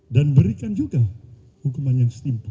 dan berikan juga hukuman yang setimpal